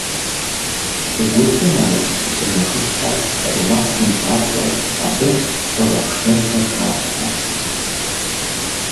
ЩӀыгулъым а и щытыкӀэ нэхъыщхьэр хъума хъун папщӀэ, абы щӀыгъэпшэрхэр халъхьэ.